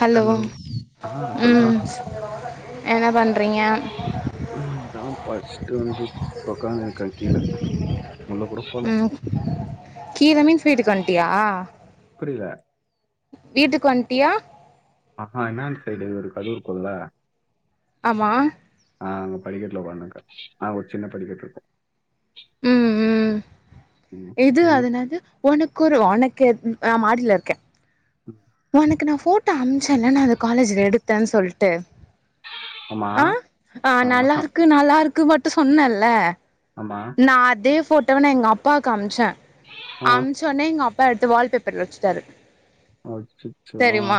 Hello ஆ சொல்றா ம் என்ன பண்றீங்க ம் தா பஸ்ட்டு வந்து ஒக்காந்துருக்கே ம் கீழ மீன்ஸ் வீட்டுக்கு வண்ட்டியா புரில வீட்டுக்கு வன்ட்டியா ஆஹா என்னான் சைடு ஒரு கது இருக்குல்ல ஆமா ஆ அங்க படிக்கட்ல ஓக்காந்துருக்கே ஆ ஒரு சின்ன படிக்கட்டு இருக்கு ம் ம் ம் இது நீயு அது என்னாது ஒனக்கு ஒரு ஒனக்கு மாடில இருக்கே ம் ஒனக்கு நா ஃபோட்டோ அமுச்சேல்ல நா அது காலேஜ்ல எடுத்தேன்னு சொல்ட்டு ஆமா ஆ ஆ நல்லா ஆஹா இருக்கு நல்லா இருக்கு மட்டு சொன்னல்ல ஆமா நா அதே ஃபோட்டாவ நா எங் அப்பாவுக்கு அம்ச்சே ஆ அம் சொன்னே எங்க அப்பா எடுத்து வால் பேப்பர்ல வச்சுட்டாரு ஓ சிட் தெரிமா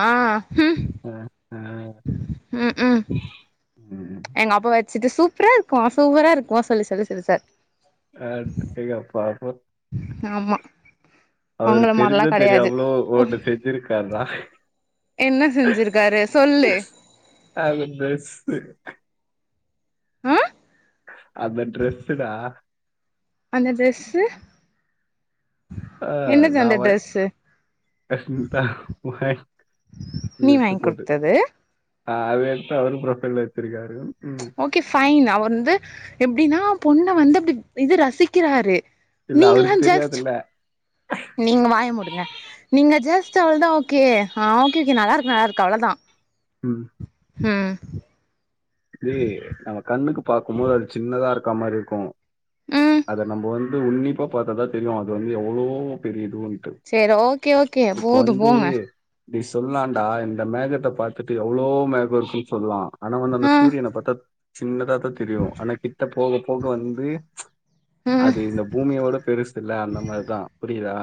ம் ஆ ஆ ம் ம் ம் எங்க அப்பா வச்சுட்டு சூப்பரா இருக்குமா சூப்பரா இருக்குமா சொல்லி சொல்லி சிரிச்சாரு ஹாட் எங்கப்பாவு ஆமா அவரு உங்கள மாரிலா தெரிஞ்சோ கெடையாது தெரியாமலோ ஓ ஒன்னு செஞ்சிருக்காருனா என்ன செஞ்சிருக்காரு சொல்லு அது ட்ரெஸு அ அந்த ட்ரெஸுடா அந்த ட்ரெஸு அ அந்த நான் வந் ட்ரெஸ்ஸு நீ வாங் குடுத்தது ஆ அத எடுத்து அவரு ப்ரொஃபைல்ல வச்சிருக்காரு ம் ஓகே ஃபைன் அவர் வந்து எப்டினா பொண்ண வந்து அப்டி இது ரசிக்கிறாரு இல்ல நீங்கல்லா அவருக்கு ஜஸ்ட் தெரியாதில்ல நீங்க வாய மூடுங்க நீங்க ஜஸ்ட் அவ்ளதா ஓகே ஆ ஓகே ஓகே நல்லார்க்கு நல்லார்க்கு அவ்ளதா ம் ம் டேய் நம்ம கண்ணுக்கு பாக்கும்போது அது சின்னதா இருக்க மாறி இருக்கு ம் அத நம்ம வந் டே உன்னிப்பா பாத்தாதான் தெரியும் அது வந்து எவ்ளோ பெரிய இதுனு சேரி ஓகே ஓகே போதும் போங்க நீ சொல்லான்டா இந்த மேகத்தை பாத்துட்டு எவ்ளோ மேகம் இருக்கும் சொல்லாம் ஆ சூரியன பாத்தா சின்னதா தான் தெரியும் ஆனா கிட்ட போக போக வந்து ம் அது இந்த பூமியோட பெருசு இல்ல அந்த மாரிதான் புரியுதா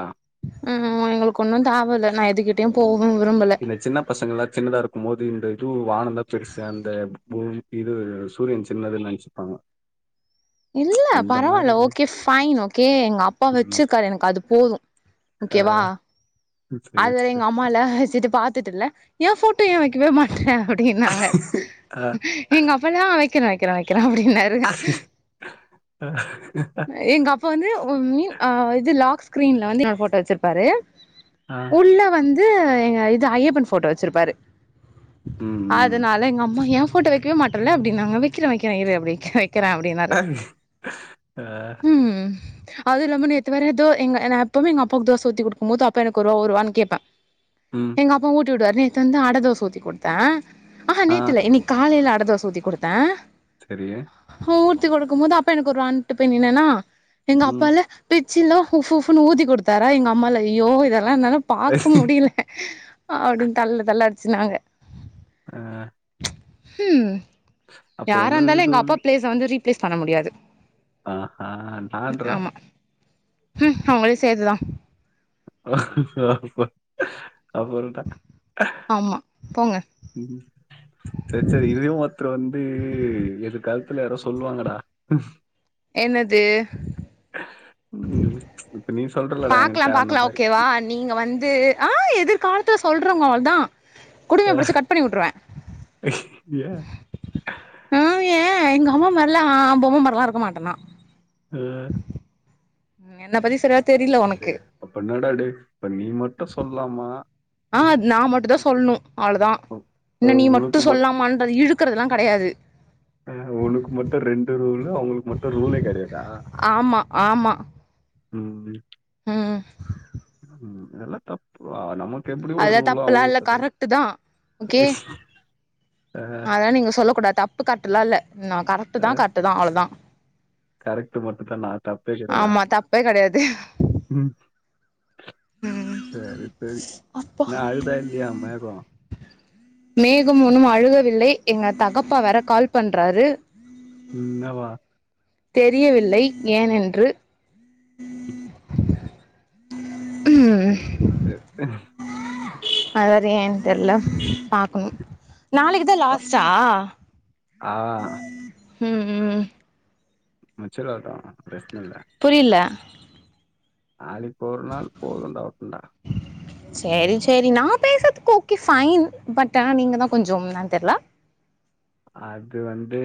ம் ம்ம் எங்களுக்கு ஒன்னும் தாவ இல்ல நான் எதுகிட்டயும் போகவும் விரும்பல பசங்கல்லாம் சின்னதா இருக்கும் போது இதுவும் வானம் தான் பெருசு அந்த இது சூரியன் சின்னதுன்னு சிப்பாங்க இல்ல பரவால்ல ஓகே ஃபைன் ஓகே எங்க அப்பா ம் வச்சிருக்காரு எனக்கு அது போதும் ஓகேவா ம் செர் செர் ஆமால வச்சுட்டு பாத்துட்டுல ஏன் போட்டோ ஏன் வைக்கவே மாட்ற அப்டின்னாங்க ஆ எங்கப்பால்லா வைக்கிறே வைக்கிறே வைக்கிறே அப்டின்னாரு எங்க அப்பா வந்து ஒரு மீன் இது லாக் ஸ்கிரீன்ல வந்து ஏ போட்டோ வச்சிருப்பாரு ஆ உள்ள வந்து எங்க இது ஐயப்பன் போட்டோ வச்சிருப்பாரு ம் ம் அதனால எங்க அம்மா ஏ போட்டோ வைக்கவே மாட்டேல்ல அப்டின்னாங்க வைக்கிறேன் வைக்கிறேன் இரு அப்டி வைக்கிறேன் அப்டின்னா ஆ ம் ம் அது இல்லாம நேத்து வேற எதோ எங்க நான் எப்போவுமே எங்க அப்பாவுக்கு தோசை ஊத்தி கொடுக்கும் போது அப்பா எனக்கு ஒரு வா ஒரு வா ன்னு கேப்பேன் ம் எங்க அப்பா ஊட்டி விடுவாரு நேத்து வந்து அட தோசை ஊத்தி கொடுத்தேன் ஆ நேத்து இல்ல ல இன்னைக்கு காலைல அட தோசை ஊத்தி குடுத்தேன் செரி ஊத்தி குடுக்கும் போது அப்பா எனக்கு ஒரு வான்ட்டு போய் நின்னேன்னா எங்க ம் அப்பால பிச்சலாம் உஃ உஃப்ன்னு ஊதி குடுத்தாரா எங்க அம்மால ஐயோ இதெல்லாம் என்னால பாக்க முடில சும்மா அப்டின்னு தலயில தலயில அடிச்சு நாங்க ஆ ம் அப்போ வந்து யாராருந்தாலும் எங்க அப்பா இதுவுலயு பிளேஸ் வந்து ரீப்ளேஸ் பண்ண முடியாது ஆ ஆ நான் ப்ரோ ஆமா ம் உங்களையும் சேத்துதான் அப்போறம் டா ஆமா போங்க ம் செரி செரி இதையும் ஒருத்தர் வந்து எதிர் காலத்துல யாரும் சொல்லுவாங்கடா என்னது ம் இப்ப நீ சொல்றலடா என்கிட்ட பாக்கலாம் அந்த பாக்கலாம் மாரி ஓகேவா நீங்க வந்து ஆ எதிர்காலத்துல சொல்றேங்க அவள்தான் குடுமிய அஹ், புடிச்சு கட் பண்ணி விட்டுருவேன் ஏன் ஆ ஏன் எங்க அம்மா மாரிலாம் அ பொம்ம மாரிலாம் இருக்க மாட்டேன்னா ஆ ம் என்ன பத்தி சரியா தெரில உனக்கு தப்பு என்னடா இருக்கு இப்ப நீ மட்டும் சொல்லலாமா ஆ ம், நா மட்டுந்தா சொல்ணு அவ்ளதா என்ன அஹ், நீ மட்டு உனக்கு மட்டும் சொல்லாமான்ற இழுக்கறதெல்லா கெடையாது ஆ உனக்கு மட்டு ரெண்டு ரூலு அவுங்களுக்கு மட்டு ரூலே கெடையாதா ஆமா ஆமா ம் ம் ம் ம் இதெல்லா தப்பு நமக் அதெலா தப்புலா இல்ல கரெக்ட்டுதா ஓகே அதலா நீங்க சொல்ல கூடாது தப்பு கர்ட்லா இல்ல ந கரெக்ட்தா கரெக்டுதா அவ்ளதா கரெக்ட்டு மட்டுந்தானா தப்பே கெடயாதா தப்பே கெடையாது ம் சரி சரி அப்பா என்ன அழுதா இல்லையா மேகோ மேகம் ஒன்னும் அழுகவில்லை எங்க தகப்பா வேற கால் பண்றாரு ம் என்னவா தெரியவில்லை ஏனென்று ஹம் ம் சரி. அவர் ஏன் தெர்ல பா க்கனு நாளைக்குதா லாஸ்ட்டா ஆ ம் ம் மச்சலாதா ப்ரச்ன இல்ல புரியில்ல நாளைக் ஒரு நாள் போதுன்டா வசந்தா செரி செரி நா பேசுறதுக்கு ஓகே ஃபைன் பட் ஆனா நீங்கதா கொஞ்சம் என்னான் தெர்ல அது வந்து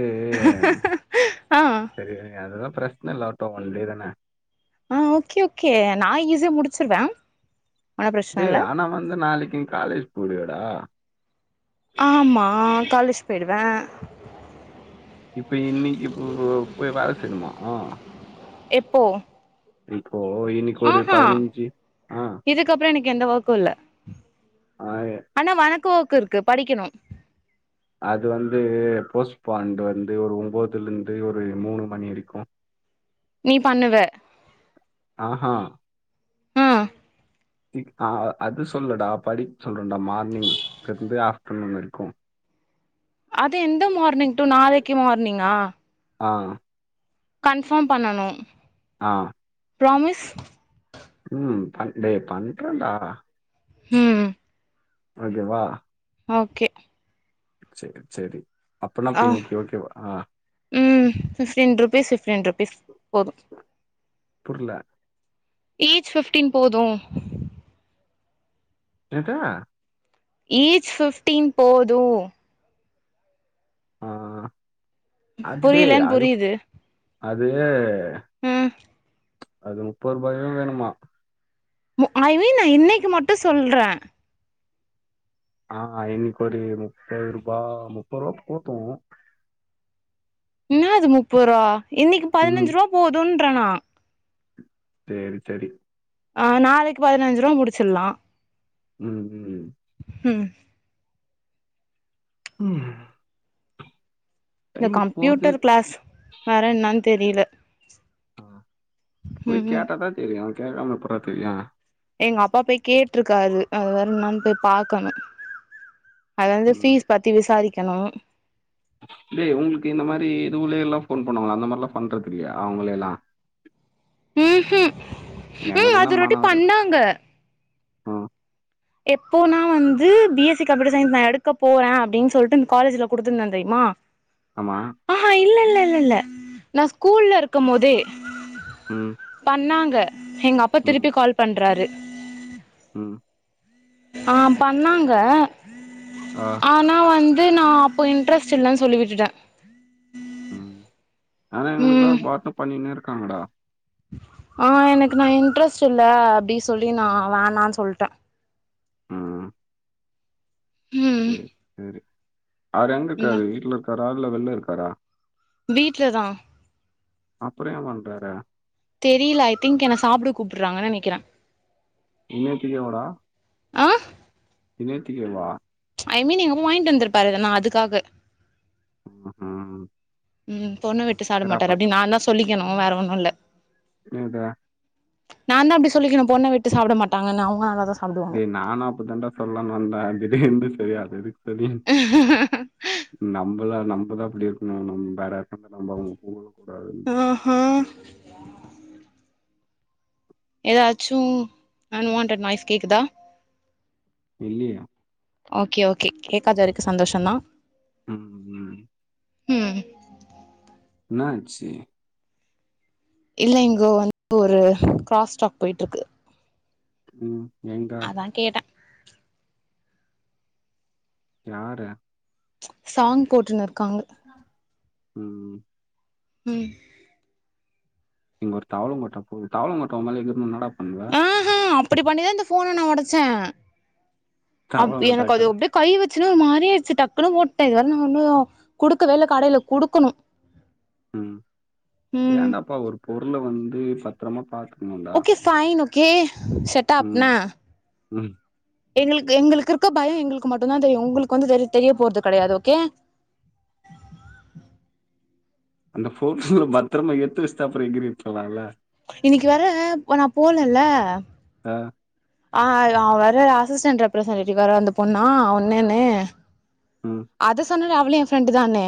ஆ செரி விடுங்க அதெலா பிரச் னல ட்டோ ஒன்டே தான ஆ ஓகே ஓகே நா ஈஸியா முடிச்சிருவே டே ஆனா வந்து நாளைக்கு நீ காலேஜ் போலியாடா ஆமா காலேஜ் போயிடுவ இப்ப இன்னைக்கு இப்ப போய் வேல செய்ணுமா எப்போ இப்போ இனி கொரு ஆஹா பதினஞ்சு ஆ இதுக்கப்றோ எனக்கு எந்த ஒர்க்கு இல்ல ஆ ஆனா வொனக்கு வொர்க் இருக்கு படிக்கணு அது வந்து போஸ்ட்பாண்ட் வந்து ஒரு ஒம்போதுல இருந்து ஒரு மூணு மணி வரிக்கு நீ பண்ணுவ ஆஹா ம் ஆ அது சொல்லுடா படிப் சொல்றன்டா மார்னிங் இருந்து ஆஃப்டர்நூன் வரிக்கு அது எந்த மார்னிங் டூ நாளைக்கு மார்னிங்கா ஆ கன்ஃபார்ம் பண்ணணு ஆ ப்ராமிஸ் ம் ப டே பண்றன்டா ம் ஓகேவா ஓகே சரி சரி அப்பனா ஆ இப்போ இன்னைக்கு ஓகேவா ஆ ம் ஃபிப்டின் ருபீஸ் ஃபிப்டின் ருபீஸ் போது புருல ஈச் ஃபிஃப்டின் போது எத ஈச் பிஃப்டீன் போது ஆ அடே புரியலன்னு அது புரியுது அது ம் அது முப்பது ரூபாயோ வேணுமா ஐ மீன் நா இன்னைக்கு மட்டு சொல்றே ஆ இனக்கு ஒரு முப்பது ரூபா முப்பது ரூபா போத்து என்ன அது முப்பது ரூவா இன்னைக்கு ம் பதிஞ்சு ரூவா போதுன்றண்ணா சேரி சரி ஆ நாளைக்கு பதினஞ்சுரூபா முடிச்சிட்லா ம் ம் ம் ம் இந்த டைம் போகிறது கம்ப்யூட்டர் க்ளாஸ் வேற என்னான்னு தெரியல போய் ம் ம் கேட்டாதா தெரியு கேக்காம எப்புறா தெரியு எங்க அப்பா போய் கேட்ருக்காரு அது வர என்னானு போய் பாக்கணு அது வந்து ம் ஃபீஸ் பத்தி விசாரிக்கணு டே உங்களுக்கு இந்த மாரி இதுலயல்லா போன் பண்ணுவாங்களா அந்த மாரில்லா பண்றதுல்லையா அவங்கள எல்லா ம் ம் ம் அது எங்களுக்கெல்லாம் ரொட்டி பண்ணாங்க ஆ எப்போனா வந்து பி எஸ் சி கப்யூட்டர் சயஸ் நா எடுக்க போறே அப்படின்னு சொல்லிட்டு இந்த காலேஜில குடுத்துருந்த தெரியுமா [inaudible] ஆமா ஆஹா இல்ல இல்ல இல்ல இல்ல நா ஸ்கூல்ல இருக்கும் போதே ம் பண்ணாங்க எங்கப்பா ம், திருப்பி கால் பண்றாரு ம் ஆ பண்ணாங்க ஆ ஆனா வந்து நா அப்போ இன்ட்ரெஸ்ட் இல்லைன்னு சொல்லிவிட்டுட்டே ம் ஆனா எங்களுக்கெல்லா ம் பார்ட்டு பண்ணினே இருக்காங்கடா ஆ எனக்கு நா இன்ட்ரெஸ்ட் இல்ல அப்படி சொல்லி நா வேணான்னு சொல்ட்டே ம் ம் சரி சரி அவரு எங்க என்ன இருக்காரு வீட்ல இருக்காரா இல வெள்ள இருக்காரா வீட்ல தா அப்பற ஏ பண்றாரு தெரியல ஐ திங்க் என்ன சாப்பட கூப்புறாங்கன்னு நெனக்கிறே இன்னேத்திக வடா ஆ இனைத்திகவ ஐ மீன் எங்க வாங்கிட்டு வந்திருப்பாரு நா அதுக்காக ம் ம் ம் ம் பொண்ணு விட்டு சாட மாட்டாரு அப்டி நாந்தா சொல்லிக்கணு வேற ஒன்னுல்ல சொல்றா நா தா அப்டி சொல்லிக்கணு பொண்ண விட்டு சாப்ட மாட்டாங்கன்னு அவுங்க நல்ல தா டேய் நானு அப்ப தண்டா சொல்லானு வந்தே இதுலேயே இருந்து செரி அது எதுக்கு செரி நம்மதா நம்மதா இப்டி இருக்கனு நம் வேற இக்க நம்ம அவுங்க போகவே கூடாதுன்னு ஆஹா ஏதாச்சு அன்வான்டட் நாய்ஸ் கேக்குதா இல்லையே ஓகே ஓகே கேக்காத வரைக்கு சந்தோஷந்தா ம் ம் ம் என்னாச்சி இல்லங்கோ வந்து ஒரு கிராஸ் ஸ்டாக் போய்ட்ருக்கு ம் எங்க ஆ கேட்ட யார்ர சாங் போட்டுனுருக்காங்க ம் ம் இங்க ஒரு தவளங்கோட்டா போது தவளங்கோட்டா உ மேல எகுறுனுனா என்னடா பண்ணுவ ஆஹா அப்டி பண்ணிதா இந்த ஃபோன நா ஒடச்சே அப் கவலப்பட்டா எனக் அது கட அப்டேயே கை வச்சுன்னு ஒரு மாரியே ஆய்ச்சு டக்குனு போட்ட இது வர நா ஒன்னு குடுக்க வேல்ல கடையில குடுக்கணு [inaudible] ம் ம் வேண்டாப்பா ஒரு பொருள வந்து பத்தரமா பாத்துக்னுடா ஓகே ஃபைன் ஓகே செட்டாப் என்ன ம் எங்களுக்கு எங்களுக்கிருக்க பயோ எங்களுக்கு மட்டு தா தெரியு உங்களுக்கு வந்து தெரி தெரிய போறது கெடையாது ஓகே அந்த பொருள பத்ரமா எத்து வச்ட்டு அப்புறோ எங்கிரு வெக்கலா இல்ல இன்னைக்கு வேற வேனா போலல்ல ஆ ஆ அவ வேற அசிஸ்டன்ட் ரெப்ரசென்டேட்டிவ் வேற அந்த பொண்ணா ஓன்னேன்னு ம் அத சொன்ன இல்ல அவளு எ ஃப்ரெண்டு் தானு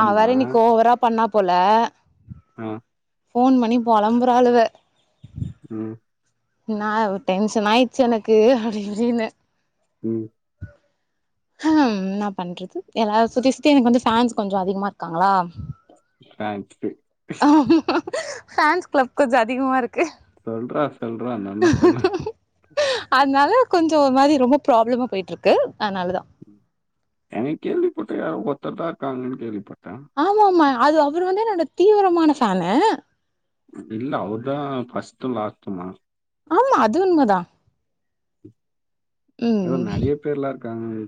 அவ வேற இன்னைக்கு ஓவரா பண்ணா போல ஆ ஃபோன் பண்ணி பொளம்புறாளுவ ம் நா டென்ஷன் ஆயிச்சு எனக்கு அப்டி இப்டின்னு ம் ஹம் என்ன பண்றது எல்லாரு சுத்தி சுத்தி எனக்கு வந்து ஃபேன்ஸ் கொஞ்சோ அதிகமா இருக்காங்களா ஃபேன்ஸு ஆமா ஃபேன்ஸ் கிளப் கொஞ்சோ அதிகமாருக்கு சொல்றா சொல்றா என்னாமா சொல்லு அத்னால கொஞ்சோ ஒரு மாதி ரொம்ப ப்ராப்ளமா போய்ட்டுருக்கு அதனால தா அன்னைக் கேள்வி பட்ருக்கே யாரோ ஒத்தர்தாருக்காங்கன்னு கேள்வி பட்டே ஆமா ஆமா அது அவரு வந்து என்னோட தீவிரமான ஃபேனு இல்ல அவ்ருதா ஃபஸ்ட்டு லாஸ்ட்டுமா ஆமா அது உண்மதா ஏதோ ம் நறைய பேர்ல்லா இருக்காங்களே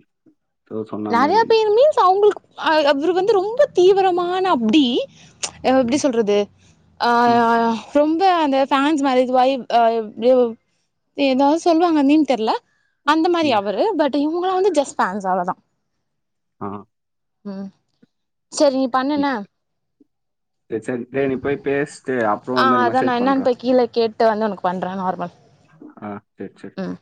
நறைய பேர் மீன்ஸ் அவுங்களுக்கு அ அவ்ரு வந்து ரொம்ப தீவிரமான அப்டி [unintelligible] எப்டி ம் சொல்றது ஆ ம் ரொம்ப அந்த ஃபேன்ஸ் மாரி இது வாயி ஆ [unintelligible] ஏதாவ் சொல்லுவாங்க நீம் தெர்ல அந்த மாரி ம் அவ்ரு பட் இவுங்களா வந்து ஜஸ்ட் ஃப்ன்ஸ்ஸு அவ்ளோதா ஆ ம் சரி நீ பண்ணு செ என்ன செரி செரி நீ போய் பேஸ்ட்டு அப்புறோ ஆ வந்து எனக்கு அதா நா மெசேஜ் என்னன்னு பண்றே போய் கீழ கேட் ட்டு வந்து உனக்கு பண்றே நார்மல் ஆ செர் சேர் ம்